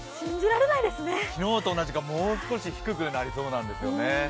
昨日と同じかもう少し低くなりそうなんですよね。